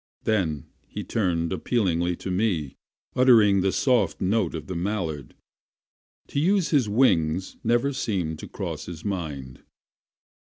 Then he turned appealingly to me, uttering the soft note of the mallard. To use his wings never seemed to cross his mind.